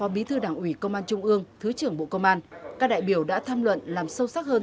bí thư đảng ủy công an trung ương thứ trưởng bộ công an các đại biểu đã tham luận làm sâu sắc hơn